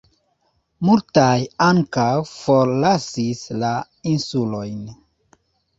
Multaj ankaŭ forlasis la insulojn.